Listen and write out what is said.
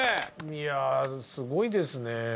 いやすごいですね。